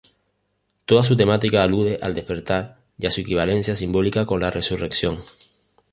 Toda su temática alude al despertar y a su equivalencia simbólica con la resurrección.